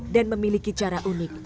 dan memiliki cara unik